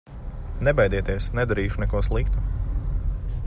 Nebaidieties, nedarīšu neko sliktu!